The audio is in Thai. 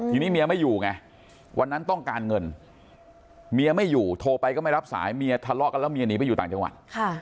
ทีนี้เมียไม่อยู่ไงวันนั้นต้องการเงินเมียไม่อยู่โทรไปก็ไม่รับสายเมียทะเลาะกันแล้วเมียหนีไปอยู่ต่างจังหวัด